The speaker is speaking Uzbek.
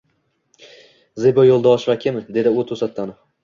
-Zebo Yo’ldosheva kim? — dedi u to’satdan.